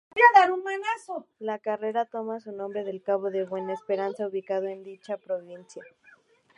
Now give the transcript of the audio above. La carrera toma su nombre del Cabo de Buena Esperanza ubicado en dicha provincia.